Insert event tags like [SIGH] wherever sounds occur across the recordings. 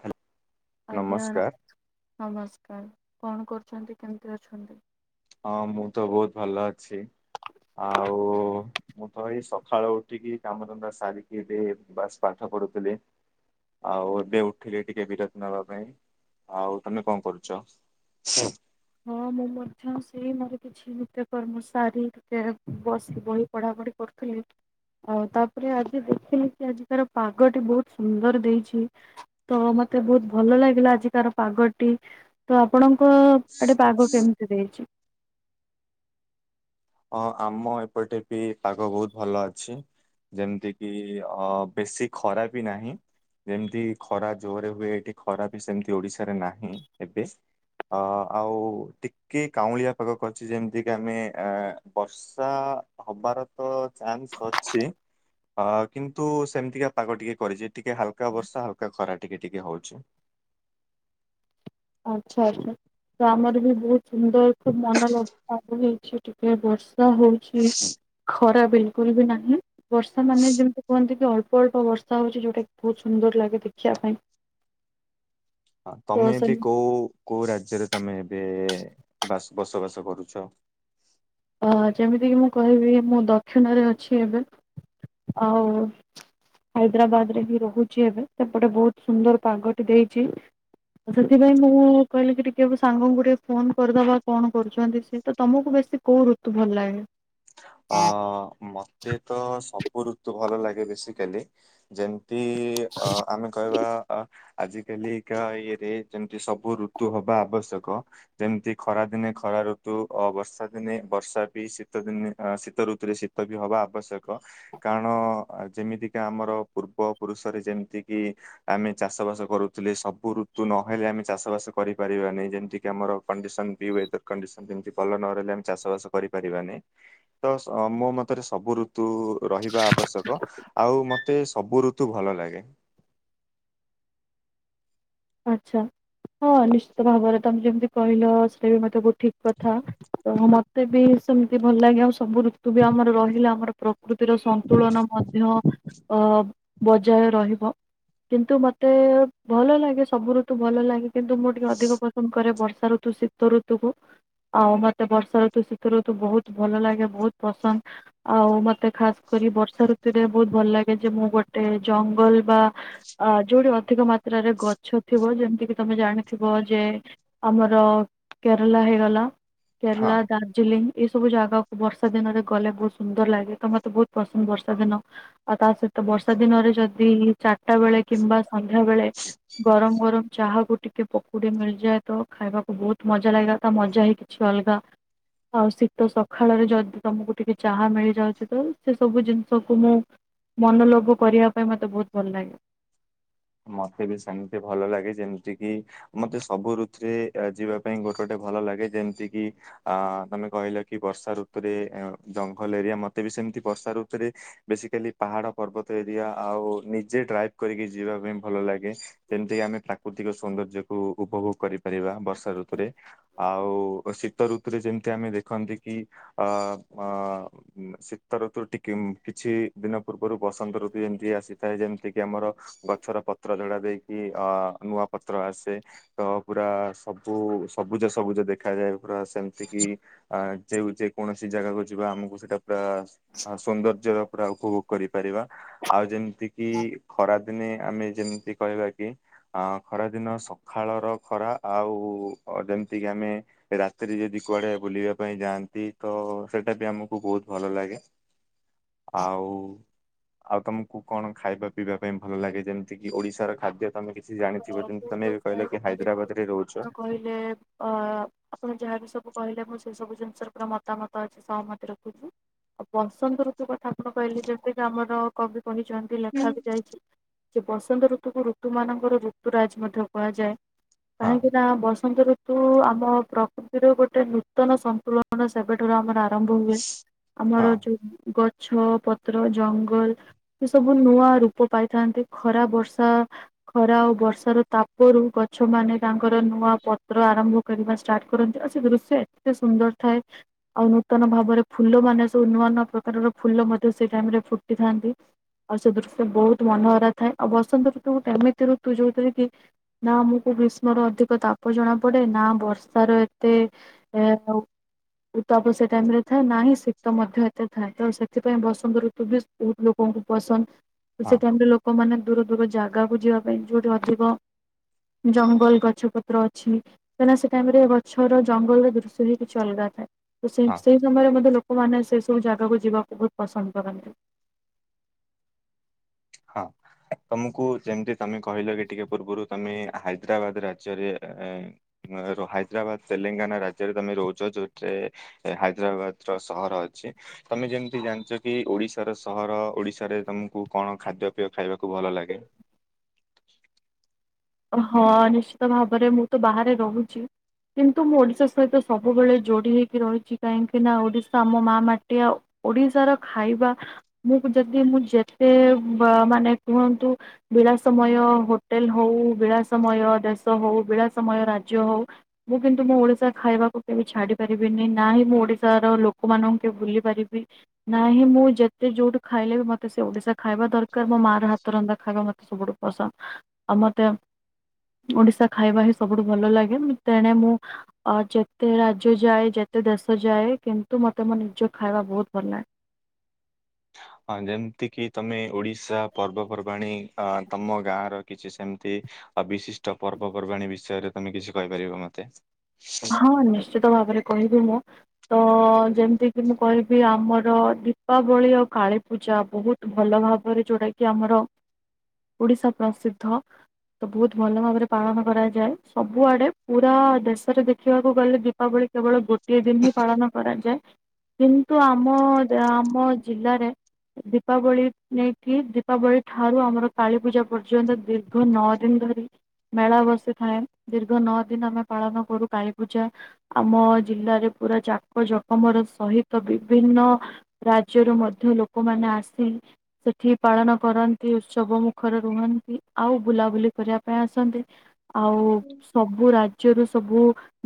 Hello. ଆଜ୍ଞା ନମସ୍କାର କଣ କରୁଛନ୍ତି କେମିତି ଅଛନ୍ତି। ହଁ ମୁଁ ତ ବହୁତ ଭଲ ଅଛି। ଆଉ ମୁଁ ତ ଏଇ ସକାଳୁ ଉଠିକି କାମଧନ୍ଦା ସାରିକି ଏବେ ବାସ ପାଠ କରୁଥିଲି ଆଉ ଉଠିଲି ଟିକେ ବିରତ ନେବା ପାଇଁ। ଆଉ ତମେ କଣ କରୁଛ? ହୁଁ। ମୁଁ ମଧ୍ୟ ସେଇ ମୋର କିଛି ନିତ୍ୟ କର୍ମ ସାରୀ ଟିକେ ବସି ବହି ପଢାପଢି କରୁଥିଲି। ହଁ [UNINTELLIGIBLE] ଆଉ ତାପରେ ଆଜି ଦେଖିଲି କି ଆଜି ତାର ପାଗଟି ବହୁତ ସୁନ୍ଦର ଦେଇଛି ତ ମତେ ମତେ ବହୁତ ଭଲ ଲାଗିଲା ଆଜିକାର ପାଗଟି ତ ଆପଣଙ୍କ ଏଟେ ପାଗ କେମିତି ଦେଇଛି? ହଁ ଆମ ଏପଟେ ବି ପାଗ ବହୁତ ଭଲ ଅଛି। ଯେମିତି କିି ଅ ବେଶୀ ଖରା ବି ନାହିଁ। ଯେମିତି ଖରା ଜୋରରେ ହୁଏ ଏଠି ଖରା ବି ସେମିତି ଓଡିଶାରେ ନାହିଁ ଏବେ। ଅ ଆଉ ଟିକେ କାଉଁଳିଆ ପାଗ କରିଛି ଯେମିତି କି ଆମେ ଅ ବର୍ଷା ହବାର ତ ଚାନ୍ସ ଅଛି। ଅ କିନ୍ତୁ ସେମିତିକା ପାଗ ଟିକେ କରିଛି ଟିକେ ହାଲକା ବର୍ଷା ହାଲକା ଖରା ଟିକେ ଟିକେ ହଉଛି। ଆଛା ଆଚ୍ଛା ତ ଆମର ବି ବହୁତ ସୁନ୍ଦର ଏକ ମନଲୋଭା ହେଇଛି। ଟିକେ ବର୍ଷା ହଉଛି ଖରା ବିଲକୁଲ ବି ନାହିଁ ବର୍ଷା ମାନେ ଯେମିତି କୁହନ୍ତି ଅଳ୍ପ ଅଳ୍ପ ବର୍ଷା ହଉଛି ଯୋଉଟା କି ବହୁତ ସୁନ୍ଦର ଲାଗେ ଦେଖିବା ପାଇଁ। ହ ତ ତମେ ସେ ବି କୋଉ କୋଉ ରାଜ୍ୟରେ ତମେ ଏବେ ବାସ ବସବାସ କରୁଛ। ଅ ଯେମିତିକି ମୁଁ କହିବି ମୁଁ ଦକ୍ଷିଣରେ ଅଛି ଏବେ। ଆଉ ହାଇଦ୍ରାବାଦ ରେ ହିଁ ରହୁଛି ଏବେ ସେପଟେ ବହୁତ ସୁନ୍ଦର ପାଗଟି ଦେଇଛି। ସେଥିପାଇଁ ମୁଁ କହିଲି କି ଟିକେ ସାଙ୍ଗଙ୍କୁ ଟିକେ ଫୋନ କରିଦବା କଣ କରୁଛନ୍ତି ସ ତ ତମକୁ ବେଶୀ କୋଉ ଋତୁ ଭଲ ଲାଗେ। ଅ ମତେ ତ ସବୁ ଋତୁ ଭଲ ଲାଗେ ବେସିକାଲି ଯେ ତି ଇ ଅ ଆମେ କହିବା ଅ ଆଜି କାଲିକା ଇଏରେ ଯେମତି ସବୁ ଋତୁ ହବା ଆବଶ୍ୟକ ଯେମିତି ଖରା ଦିନେ ଖରା ଋତୁ ଅ ବର୍ଷା ଦିନେ ବର୍ଷା ବି ଶୀତ ଦିନେ ଅ ଶୀତ ଋତୁରେ ଶୀତ ବି ହବା ଆବଶ୍ୟକ କାରଣ ଯେମିତିକା ଆମର ପୂର୍ବ ପୁରୁଷ ଯେମିତି କି ଆମେ ଚାଷ ବାସ କରୁଥିଲେ ସବୁ ଋତୁ ନହେଲେ ଆମେ ଚାଷ ବାସ କରିପାରିବାନି। ଯେମିତିକି ଆମର କଣ୍ଡିସନ ତି ଆମର କଣ୍ଡିସନ ଭଲ ନ ରହିଲେ ଆମେ ଚାଷ ବାସ କରିପାରିବାନି। ତ ମୋ ମତରେ ସବୁ ଋତୁ ରହିବା ଆବଶ୍ୟକ ଆଉ ମ ତେ ସବୁ ଋତୁ ଭଲ ଲାଗେ। ଆଚ୍ଛା ହଁ ନିଶ୍ଚିତ ଭାବରେ ତମେ ଯେମିତି କହିଲ ସେ ବି ମତେ ଠିକ କଥା ତ ମତେ ବି ସେମିତି ଭଲ ଲାଗେ ଆଉ ସବୁ ଋତୁ ବି ଆମର ରହିଲା ଆମର ପ୍ରକୃତିର ସନ୍ତୁଳନ ମଧ୍ୟ ଅ ବଜାୟ ରହିବ କିନ୍ତୁ ମତେ ଭଲ ଲାଗେ ସବୁ ର ତୁ ଭଲ ଲାଗେ। କିନ୍ତୁ ମୁଁ ଟିକେ ଅଧିକ ପସନ୍ଦ କରେ ବର୍ଷା ଋତୁ ଶୀତ ଋତୁକୁ ଆଉ ମତେ ବର୍ଷା ଋତୁ ଶୀତ ଋତୁ ବହୁତ ଭଲ ଲାଗେ ବହୁତ ପସନ୍ଦ ଆଉ ମତେ ଖାସ ବର୍ଷା ଋତୁରେ ବହୁତ ଭଲ ଲାଗେ ଯେ ମୁଁ ଗୋଟେ ଜଙ୍ଗଲ ବା ଯୋଉଠି ଅଧିକ ମାତ୍ରା ଛ [UNINTELLIGIBLE] ଗଛ ଥିବ ଯେମିତିକି ତମେ ଜାଣିଥିବ ଯେ ଆମର କେରଲା ହେଇଗଲା। ହଁ। କେରଲା ଦାର୍ଜିଲିଂ। ଏଇସବୁ ଜାଗାକୁ ବର୍ଷା ଦିନରେ ଗଲେ ବହୁତ ସୁନ୍ଦର ଲାଗେ ତ ମତେ ବହୁତ ପସନ୍ଦ ବର୍ଷା ଦିନ ଆଉ ତା ସହ ତ ବର୍ଷା ଦିନରେ ଯଦି ଚାରିଟା ବେଳେ କିମ୍ବା ସନ୍ଧ୍ୟା ବେଳେ ଗରମ ଗରମ ଚାହା କୁ ଟିକେ ପକୁଡି ମିଳିଯାଏ ତ ଖାଇବାକୁ ବହୁତ ମଜା ଲାଗୋ ତା ମଜା ହି କିଛି ଅଲଗା ଆଉ ଶୀତ ସକାଳରେ ଯଦି ତମକୁ ଟିକେ ଚାହା ମିଳିଯାଉଛି ତ ସେ ସବୁ ଜିନିଷକୁ ମୁଁ ମନଲୋଭ କରିବା ପାଇଁ ମତେ ବହୁତ ଭଲ ଲାଗେ। ମତେ ବି ସେମିତି ଭଲ ଲାଗେ ଯେମିତିକି ମତେ ସବୁ ଋତୁରେ ଯିବା ପାଇଁ ଗୋଟେ ଗୋଟେ ଭଲ ଲାଗେ ଯେମିତି କି ଆ ତମେ କହିଲ କି ବର୍ଷା ଋତୁରେ ଜଙ୍ଗଲ ଏରିଆ ମତେ ବି ସେ ଏମ୍‌ତି ବର୍ଷା ରୁତୁ ରେ ବେସିକାଲି ପାହାଡ ପର୍ବତ ଏରିଆ ଆଉ ନିଜେ ଡ୍ରାଇଭ କରିକି ଯା ଯିବା ପାଇଁ ଭଲ ଲାଗେ ଯେମତିକ ଆମେ ପ୍ରାକୃତିକ ସୌନ୍ଦର୍ଯ୍ୟକୁୁ ଉପଭୋଗ କରିପାରିବା ବର୍ଷା ଋତୁରେ। ଆଉ ଶୀତ ଋତୁରେ ଯେମିତି ଆମେ ଦେଖନ୍ତି କି ଅ ଅ ଶୀତ ଋତୁ ଟିକେ କିଛି ଦିନ ପୂର୍ବରୁ ବସନ୍ତ ଋତୁ ଏମିତି ଆସିଥାଏ ଯେମିତି କିି ଆମର ଗଛର ପତ୍ର ଝଡା ଦେଇକି ଅ ନୂଆ ପତ୍ର ଆସେ ତ ପୁରା ସବୁ ଉ ସବୁଜ ସବୁଜ ଦେଖାଯାଏ ପୁରା ସେମିତି କିି ଅ ଯେଉ ଯେ କୌଣସି ଜାଗାକୁ ଯିବା ଆମକୁ ସେଇଟା ପୁର ସୌନ୍ଦର୍ଯ୍ୟ ର ପୁରା ଉପଭୋଗ କରିପାରିବା ଆଉ ଯେମିତି କିି ଖରାଦିନେ ଆମେ ଯେମିତି କହିବା କି ଅ ଖରାଦିନ ସକାଳର ଖରା ଆଉ ଉ ଅ ଯେମିତିକି ଆମେ ରାତିରେ ଯଦି କୁଆଡେ ବୁଲିବା ପାଇଁ ଯାଆନ୍ତି ତ ସେଟା ବି ଆମକୁ ବୋଉତ୍ ଭଲ ଲାଗେ ଆଉ ଆଉ ତମକୁ କଣ ଖାଇବାକୁ ପିଇବା ପାଇଁ ଭଲ ଲାଗେ ଯେମିତି କିି ଓଡିଶାର ଖାଦ୍ୟ ତମେ କିଛି ଜାଣିଥିବ ଯେମିତି ତମେ ଏବେ ବଣ କହିଲ କି ହାଇଦ୍ରାବାଦ ରେ ରହୁଛ କହିଲେ ଅ ଆପଣ ଯାହା [UNINTELLIGIBLE] ତାକୁ ସବୁ କହିଲେ ମୁଁ ସେ ସବୁ ଜିନିଷର ପୁରା ମତାମତ ଅଛି ସହମତି ରଖୁଛିୁ। ଆ ବସନ୍ତ ଋତୁ କଥା ଆପଣ କହିଲେ ଯେମତିକି ଆମର କବି କହିଚନ୍ତି ହଁ ଲେଖା ବି ଯାଇଛି ଯେ ବସନ୍ତ ଋତୁକୁ ଋତୁ ମାନଙ୍କର ଯୁତରାଜ ମଧ୍ୟ କୁହାଯାଏ ହଁ କାହିଁକି ନା ବସନ୍ତ ନ୍ତ ଋତୁ ଆମ ପ୍ରକୃତିରୁ ଗୋଟେ ନୂତନ ସନ୍ତୁଳନ ସେବେଠାରୁ ଆମର ଆରମ୍ଭ ହୁଏ ହଁ ଆମର ଯୋଉ ଗ ଛ ପତ୍ର ଜଙ୍ଗଲ ଏ ସବୁ ନୂଆ ରୂପ ପାଇଥାନ୍ତି ଖରାପ ବର୍ଷା- - ଖରା କୁ ବର୍ଷାର ତାପରୁ ଗଛ ମାନେ ତାଙ୍କର ନୂଆ ପତ୍ର ଆରମ୍ଭ କରିବା ଷ୍ଟାର୍ଟ କରନ୍ତି ଆଉ ସେ ଦୃଶ୍ୟ ଏତେ ସୁନ୍ଦର ଥାଏ ଆଉ ନୂତନ ଭାବରେ ଫୁଲ ମାନେ ସବୁ ନୂଆ ନୂଆ ପ୍ରକାରର ଫୁଲ ମଧ୍ୟ ସେଇଟା ଟାଇମ୍ ରେ ଫୁଟିଥାନ୍ତି ଆଉ ସେ ଦୃଶ୍ୟ ବହୁତ ମନହରା ଥାଏ ଆଉ ବସନ୍ତ ଋତୁ ଗୋଟା ଏମିତି ଋ ତୁ ଯୋଉଥିରେ କି ନା ଆମକୁ ଗ୍ରୀଷ୍ମର ଅଧିକ ତାପ ଜଣା ପଡେ ନା ବର୍ଷାର ଏତେ ଏ ହଉ ଉତାପ ସେ ଟାଇମ ରେ ଥାଏ ନାହିଁ ଶୀତ ମଧ୍ୟ ଏତେ ଥାଏ ତ ସେଥିପାଇଁ ବସନ୍ତ ଋତୁ ବି ବହୁତ ଲୋକ ଉ ହୁ ପସନ୍ଦ ସେ ଟାଇମରେ ଲୋକମାନେ ଦୂର ଦୂର ଜାଗାକୁ ଯିବା ପାଇଁ ଯୋଉଠି ଅଧିକ ଜଙ୍ଗଲ ଗଛ ପତ୍ର ଅଛି କାଁକନା ସେ ଟାଇମ ରେ ଗଛର ଜଙ୍ଗଲର ଦୃଶ୍ୟ ହି କିଛି ଅଲଗା ଥାଏ। ସେ ହଁ ସେଇ ସମୟରେ ମତେ ଲୋକ ମାନେ ସେ ସବୁ ଜାଗାକୁ ଯିବାକୁ ବହୁତ ପସନ୍ଦ କରନ୍ତି। ହଁ। ତମକୁ ଯେମିତି ତମେ କହିଲ କି ଟିକେ ପୂର୍ବରୁ ତମେ ହାଇଦ୍ରାବାଦ ରାଜ୍ୟରେ ଏ ର ହାଇଦ୍ରାବାଦ ତେଲେଙ୍ଗାନା ରାଜ୍ୟରେ ତମେ ରହୁଛ ଯୋଉ ଥେ ହାଇଦ୍ରାବାଦ ର ସହର ଅଛି। ତମେ ଯେମତି ଜାଣିଛ କି ଓଡିଶାର ସହର ଓଡିଶାରେ ତମକୁ କ ଅଁ ଖାଦ୍ୟ ପେୟ ଖାଇବାକୁ ଭଲ ଲାଗେ। ହଁ ନିଶ୍ଚିତ ଭାବରେ ମୁଁ ତ ବାହାରେ ରହୁଛି। କିନ୍ତୁ ମୁଁ ଓଡିଶା ସହିତ ସବୁବେଳେ ଯୋଡି ହେଇକି ରହିଛି କାହିଁକି ନା ଓଡିଶା ଆମ ମା ମାଟି ଆଓ ଓଡିଶାର ଖାଇବା ମୁଁ ଯଦି ମୁଁ ଯେତେ ବ ମାନେ କୁହନ୍ତୁ ପିଲା ସମୟ ହୋଟେଲ ହଉ ବିଳାସମୟ ଦେଶ ହଉ, ବିଳାସମୟ ରାଜ୍ୟ ହଉ ମୁଁ କିନ୍ତୁ ମୋ ଓଡିଶା ଖାଇବାକୁ କେବେ ଛାଡି ନା ହିଁ ମୁଁ ଓଡିଶାର ଲୋକମାନଙ୍କୁ ଭୁଲି ପାରିବି ନା ହିଁ ମୁଁ ଯେତେ ଯୋଉଠୁ ଖାଇ ଖାଇଲେ ମତେ ସେ ଓଡିଶା ଖାଇବା ଦରକାର। ମୋ ମା ର ହାତ ରନ୍ଧା ଖାଇବା ମତେ ସବୁଠୁ ପସନ୍ଦ। ଆଉ ମତେ [INAUDIBLE] ଓଡିଶା ଖାଇବା ହିଁ ସବୁଠୁ ଭଲ ଲାଗେ ମୁ ତେଣେ ମୁଁ ଅ ଯେତେ ରାଜ୍ୟ ଯାଏ ଯେତେ ଶେଷ ଯାଏ କିନ୍ତୁ ମୋତେ ମୋ ନିଜ ଖାଇବା ବହୁତ ଭଲ ଲାଗେ। ଅ ଯେମିତି କିି ତମେ ଓଡିଶା ପର୍ବପର୍ବାଣି ଅ ତମ ଗାଁ ର କିଛି ସେମିତି। ବିଶିଷ୍ଟ ପର୍ବପର୍ବାଣୀ ବିଷୟରେ ତମେ କିଛି କହିପାରିବ ମତେ। ହଁ ନିଶ୍ଚିତ ଭାବରେ କହିବି ମୁଁ। ତ ଯେମିତି କିି ମୁଁ କହିବି- ଆମର ଦୀପାବଳି ଆଉ କାଳୀପୂଜା ବହୁତ ଭଲ। ଭାବରେ ଯୋଉଟା କି ଆମର ଓଡିଶା ପ୍ରସିଦ୍ଧ। ତ ବହୁତ ଭଲ ଭାବରେ ପାଳନ କରାଯାଏ। ସବୁଆଡେ ପୁରା ଦେଶରେ ଦେଖ। ଦେଖିବାକୁ ଗଲେ ଦୀପାବଳି କେବଳ ଗୋଟିଏ ଦିନ ହିଁ ପାଳନ କରାଯାଏ। କିନ୍ତୁ ଆମ, ଆମ ଜିଲ୍ଲାରେ ଦୀପାବଳି ନେଇକି ଦୀପାବଳି ଠାରୁ ଆମର କାଳୀପୂଜା ପର୍ଯ୍ୟନ୍ତ ଦୀର୍ଘ ନଅ ଦିନ ଧରି ମେଳା ବସିଥାଏ, ଦୀର୍ଘ ନଅ ଦିନ ଆମେ ପାଳନ କରୁ। ପୂଜା ଆମ ଜିଲ୍ଲାରେ ପୁରା ଜାକଜଖମର ସହିତ ବିଭିନ୍ନ ରାଜ୍ୟରୁ ମଧ୍ୟ ଲୋକମାନେ ଆସି ସେଠି ପାଳନ କରନ୍ତି। ଉତ୍ସବ ମୁଖରେ ରୁହନ୍ତି। ଆଉ ବୁଲାବୁଲି କରିବା ପାଇଁ ଆସନ୍ତି ଆଉ ସବୁ ରାଜ୍ୟରୁ ସବୁ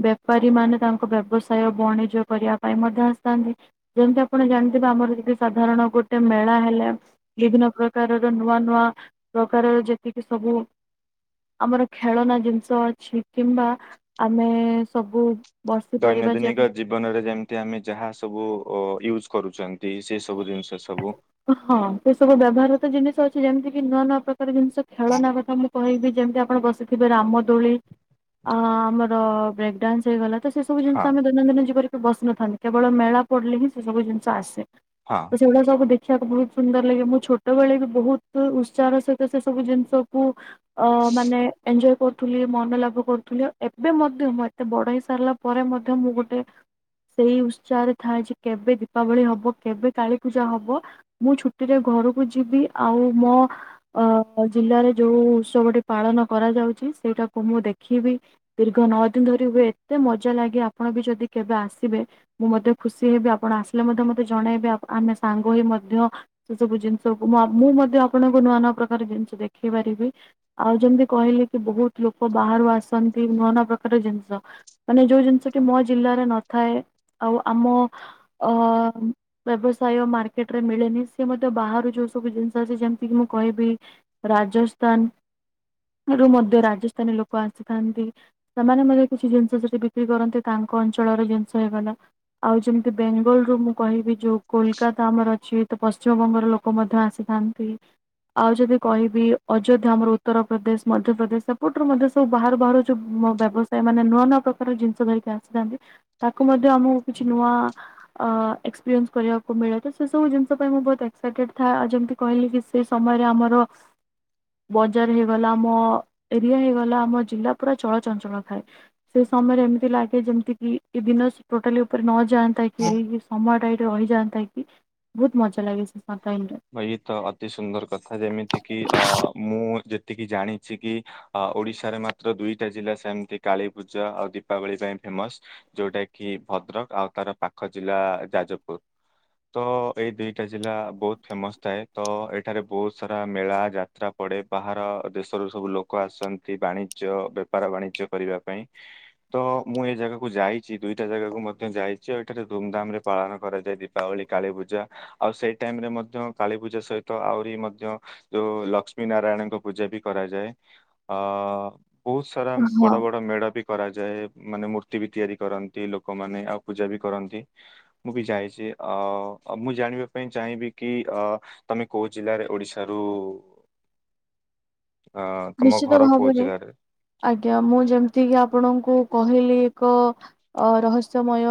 ବେପାରୀ ମାନେ ତାଙ୍କ ବ୍ୟବସାୟ ବଣିଜ କରିବା ପାଇଁ ମଧ୍ୟ ଆସିଥାନ୍ତି, ଯେମିତି ଆପଣ ଜାଣିଥିବେ ଆପଣ ଦେଖିଥିବେ ସାଧାରଣ ଗୋଟେ ମେଳା ହେଲେ ବିଭିନ୍ନ ପ୍ରକାର ନୂଆ ନୂଆ ପ୍ରକାର ର ଯେ ଯେତିକି ସବୁ ଆମର ଖେଳନା ଜିନିଷ ଅଛି। କିମ୍ବା ଆମେ ସବୁ। ବସି ପାରିବା ଯେମ ଦୈନଦିନିକ ଜୀବନରେ ଯେମତି ଆମେ ଯାହା ସବୁ ୟୁଜ କରୁ ଛନ୍ତି ସେ ସବୁ ଜିନିଷ ସବୁ ହଁ ଏ ସବୁ ବ୍ୟବହାରତ ଜିନିଷ ଅଛି ଯେମିତି କିି ନୂଆ ନୂଆ ପ୍ରକାର ଜିନିଷ ଖେଳନା କଥା ମୁଁ କହିବି ଯେମିତି ଆପଣ ବସିଥିବେ ରାମଦୋଳି ଆମର ବ୍ରେକ ଡାନ୍ସ ହେଇଗଲା ତ ସେ ସବୁ ଜିନିଷ ହଁ ଆମେ ଦୈନ ନ୍ଦିନ ଜୀବନରେ ବସି ନଥାନ୍ତି। କେବଳ ମେଳା ପଡିଲ ହିଁ ସେବୁ ଜିନିଷ ଆସେ। ହଁ। ତ ସେ ଗୁଡାକ ସବୁ ଦେଖି ଦେଖି ଦେଖିବାକୁ ବହୁତ ସୁନ୍ଦର ଲାଗେ। ମୁଁ ଛୋଟବେେଳେ ବି ବହୁତ ଉତ୍ସାହ ସହିତ ସେ ସବୁ ଜିନିଷକୁ ଅ ମାନେ ଏଜୟ କରୁଥିଲି ମନ ଲାଭ କରୁଥିଲି ଏବେ ମଧ୍ୟ ମୁଁ ଏତେ ବଡ଼ ହେଇ ସାରିଲା ପରେ ମଧ୍ୟ ମୁଁ ଗୋଟେ ସେଇ ଉତ୍ସାହରେ ଥାଏ ଯେ କେବେ ଦୀପାବଳି ହବ କେବେ କାଳୀ ପୂଜା ହବ। ମୁଁ ଛୁଟିରେ ଘରକୁ ଯିବି ଆଉ ମୋ ଅ ଜିଲ୍ଲାରେ ଯୋଉ ଉତ୍ସବଟି ପାଳ ପାଳନ କରାଯାଉଛି ସେଇଟାକୁ ମୁଁ ଦେଖିବି ଦୀର୍ଘ ନଅ ଦିନ ଧରି ହୁଏ ଏତେ ମଜା ଲାଗେ ଆପଣ ବି ଯଦି କେବେ ଆସିବେ ମୁଁ ମଧ୍ୟ ଖୁସି ହେବି ଆପଣ ଆସିଲେ ମଧ୍ୟ ମୋତେ ଜଣେଇବେ ଆମେ ସାଙ୍ଗ ହେଇ ମ ସେ ସବୁ ଜିନିଷ ମୁଁ ମଧ୍ୟ ଆପଣଙ୍କୁ ନୂଆ ନୂଆ ପ୍ରକାର ଜିନିଷ ଦେଖେଇ ପାରିବି ଆଉ ଯେମତି କହିଲେ କି ବହୁତ ଲୋକ ବାହାରୁ ଆସନ୍ତି ନୂଆ ନୂଆ ପ୍ରକାର ଜିନିଷ ମାନେ ଯୋଉ ଜିନିଷ କି ମୋ। ଜିଲ୍ଲାରେ ନଥାଏ। ଆଉ ଆମ ବ୍ୟବସାୟ ମାର୍କେଟ ମିଳେନି ସିଏ ମଧ୍ୟ ବାହାରୁ ଯୋଉ ସବୁ ଜିନିଷ ଅଛି ଯେମିତି କିି ମୁଁ କହିବି ରାଜସ୍ଥାନ। ରୁ ମଧ୍ୟ ରାଜସ୍ଥାନୀ ଲୋକ ଆସିଥାନ୍ତି ସେମାନେ ମଧ୍ୟ କିଛି ଜିନିଷ ସେଠି ବିକ୍ରି କରନ୍ତି। ତାଙ୍କ ତାଙ୍କ ଅଞ୍ଚଳର ଜିନିଷ ହେଇଗଲା ଆଉ ଯେମିତି ବେଙ୍ଗଲରୁୁ ମୁଁ କହିବି ଯୋଉ କୋଲକାତା ଆମର ଅ ଯେ ହେତୁ ପଶ୍ଚିମବଙ୍ଗର ଲୋକ ମଧ୍ୟ ଆସିଥାନ୍ତି। ଆଉ ଯଦି କହିବି ଅଯୋଧ୍ୟା ଆମର ଉତ୍ତରପ୍ରଦେଶ ମଧ୍ୟପ୍ରଦେଶ ସେପଟରୁ ମଧ୍ୟ ସବୁ ବାହାରୁ ବାହାରୁ ଯୋଉ ଆମ ବ୍ୟବସାୟ ମାନେ ନୂଆ ନୂଆ ପ୍ରକାର ଜିନିଷ ଧରିକି ଆସିଥାନ୍ତି। ତାକୁ ମଧ୍ୟ ଆମକୁ କିଛି ନୂଆ ଅ ଏକ୍ସପିରିଏନ୍ସ କରିବାକୁ ମିଳି ତ ସେ ସବୁ ଜିନିଷ ପାଇଁ ମୁଁ ବହୁତ ଏକ୍ସାଇଟେଡ ଥାଏ। ଆଉ ଯେମିତି କହିଲି କି ସେ ସମୟରେ ଆମର ବଜାର ହେଇଗଲା ଆମ ଏରିଆ ହେଇଗଲା ଆମ ଜିଲ୍ଲା ପୁରା ଚଳଚଞ୍ଚଳ ଥାଏ ସେ ସମୟରେ ଏମିତି ଲାଗେ ଯେମିତି କି ଏ ଦିନ ଟୋଟାଲି ଉପରେ ନଯାନ୍ତା କି ସମୟ ଟାରେ ରହିଯାନ୍ତା। ହୋଇ ଥାଏ କି ବହୁତ ମଜା ଟାଇମରେ। ହାଇତ ତ ଅତି ସୁନ୍ଦର କଥା ଯେମିତି କିି ଅ ମୁଁ ଯେ ଏତିକି ଜାଣିଛି କି ଆ-ଓଡ଼ିଶାରେ ମାତ୍ର ଦୁଇଟା ଜିଲ୍ଲା ସେମତି କାଳୀ ପୂଜା ଆଉ ଦୀପାବଳି ପାଇଁ ଫେ ଫେମସ୍ ଯୋଉଟାକିି ଭଦ୍ରକ୍ ଆଉ ତାର ପାଖ ଜିଲ୍ଲା ଯାଜପୁର୍ ତ ଏଇ ଦିଟା ଜି ଜିଲ୍ଲା ବୋହୁତ୍ ଫେମସ୍ ଥାଏ ତ ଏଠାରେ ବୋହୁତ୍ ସାରା ମେଳା ଯାତ୍ରା ପଡ଼େ ବାହାର ଦେଶରୁ ସବୁ ଲୋକ ଆସନ୍ତି ବାଣିଜ୍ୟ, ବେପାର ବାଣିଜ୍ୟ କରିବା ପାଇଁ ତ ମୁଁ ଏ ଜାଗାକୁ ଯା ଏଇଚି ଦୁଇଟା ଜାଗାକୁ ମଧ୍ୟ ଯାଇଚ ଏଠାରେ ଧୁମ୍ ଧାମରେ ପାଳନ କରାଯାଏ ଦୀପାବଳି କାଳୀ ପୂଜା। ଆଉ ସେଇ ଟାଇମରେ ମଧ୍ୟ କାଳୀ ପୂଜା ସହିତ ଆହୁରି ମଧ୍ୟ ଯୋଉ ଲକ୍ଷ୍ମୀ ନାରାୟଣଙ୍କ ପୂଜା ବି କରା ଆଯାଏଁ ଆ ବୋହୁତ୍ ସାରା ହଁ ବଡ଼ ବଡ଼ ମେଢ ବି କରା ଯାଏ ମାନେ ମୂର୍ତ୍ତି ବି ତିଆରି କରନ୍ତି ଲୋକମାନେ ଆଉ ପୂଜା ବି କରନ୍ତି ମୁଁ ବି ଯାଇଚି ଅ ଅଁ- ଅଁ - ମୁଁ ଜାଣିବାକୁ ପାଇଁ ଚାହିଁବି କି ଅ ତମେ କୋଉ ଜିଲ୍ଲାରେ ଓଡ଼ିଶାରୁ ନିଶ୍ଚିତ ଭାବରେ ଆଜ୍ଞା ମୁଁ ଯେମତିକି ଆପଣଙ୍କୁ କହିଲି ଏକ ଅ ରହସ୍ୟମୟ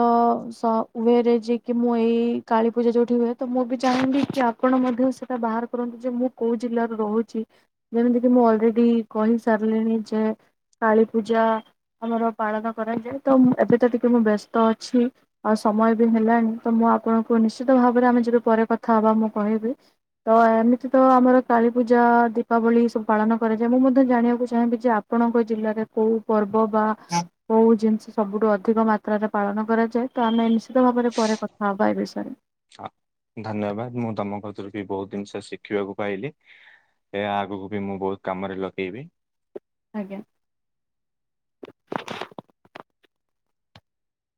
ସ ଭେ ରେ ଯେକି ମୁଁ ଏଇ କା କାଳୀ ପୂଜା ଯୋଉଠି ହୁଏ ତ ମୁଁ ବି ଚାହିଁବିକି ଆପଣ ମଧ୍ୟ ସେଟା ବାହାର କରନ୍ତୁ ଯେ ମୁଁ କୋଉ ଜିଲ୍ଲାରେ ରହୁଚି। ଯେମିତିକି ମୁଁ ଅଲରେଡି କହି ସାରିଲିଣି ଯେ କାଳୀ ପୂଜା ଆମର ପାଳନ କରାଯାଏ ତ ମୁଁ ଏବେ ତ ଟିକେ ମୁଁ ବେସ୍ତ ଅଛି ଆଉ ସ ଅମୟ ବି ହେଲାଣି ତ ମୁଁ ଆପଣଙ୍କୁ ନିଶ୍ଚିତ ଭାବରେ ଆମେ ଯେବେ ପରେ କଥା ହବା ମୁଁ କହିବି। ତ ଏମିତି ତ ଆମର କାଳୀ ପୂଜା, ଦୀପାବଳି ସବୁ ପାଳନ କରାଯାଏ। ମୁଁ ମଧ୍ୟ ଜାଣିଆକୁ ଚାହିଁବି ଯେ ଆପଣଙ୍କ ଜିଲ୍ଲାରେ କୋଉ ପର୍ବ ବା କୋଉ ଜିନଷ ସବୁ ରୁ ଅଧିକ ମାତ୍ରାରେ ପାଳନ କରାଯାଏ ତ ଆମେ ନିଶ୍ଚିତ ଭାବରେ ପରେ କଥା ହବା ଏ ବିଷୟରେ ଧନ୍ୟବାଦ୍। ମୁଁ ତମ କତିରୁ ବି ବହୁତ୍ ଜିନିଷ ଶିଖିବାକୁ ପାଇଲି। ଏଆ ଆଗୁକୁ ବି ମୁଁ ବହୁତ୍ କାମରେ ଲଗେଇବି। ଆଜ୍ଞା।